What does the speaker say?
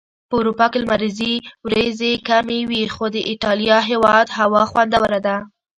په اروپا کي لمريزي ورځي کمی وي.خو د ايټاليا هيواد هوا خوندوره ده